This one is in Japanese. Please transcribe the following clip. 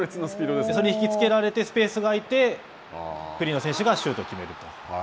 それに引き付けられてスペースが空いてフリーの選手がシュートを決めると。